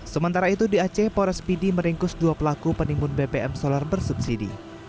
sementara itu di aceh porespidi meringkus dua pelaku penimbun bpm solar bersubsidi